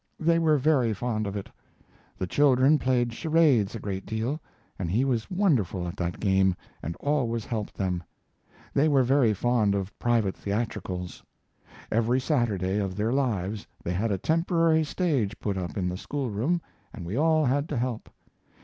They were very fond of it. The children played charades a great deal, and he was wonderful at that game and always helped them. They were very fond of private theatricals. Every Saturday of their lives they had a temporary stage put up in the school room and we all had to help.